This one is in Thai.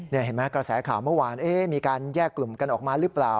เห็นไหมกระแสข่าวเมื่อวานมีการแยกกลุ่มกันออกมาหรือเปล่า